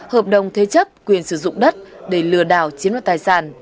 hợp đồng thế chấp quyền sử dụng đất để lừa đảo chiếm đoạt tài sản